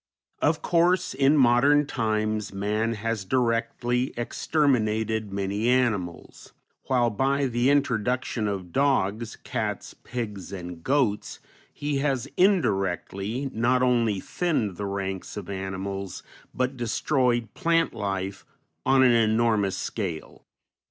Of course, in modern times man has directly exterminated many animals, while by the introduction of dogs, cats, pigs, and goats he has indirectly not only thinned the ranks of animals, but destroyed plant life on an enormous scale.